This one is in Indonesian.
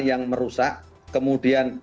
yang merusak kemudian